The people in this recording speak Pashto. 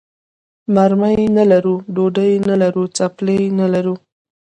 مرمۍ نه لرو، ډوډۍ نه لرو، څپلۍ نه لرو.